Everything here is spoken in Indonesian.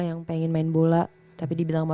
yang pengen main bola tapi dibilang sama